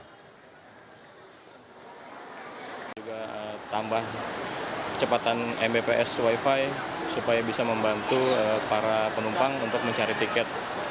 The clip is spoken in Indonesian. kita tambah kecepatan mbps wifi supaya bisa membantu para penumpang untuk mencari tiket